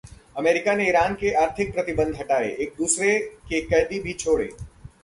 America ने Iran से आर्थिक प्रतिबंध हटाए, एक-दूसरे के कैदी भी छोड़े